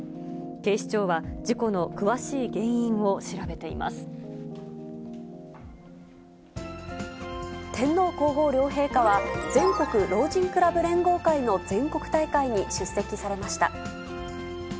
警視庁は、事故の詳しい原因を調天皇皇后両陛下は、全国老人クラブ連合会の全国大会に出席されました。